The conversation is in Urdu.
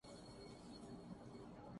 لیکن پھر وہی سوال کہ جائیں تو جائیں کہاں۔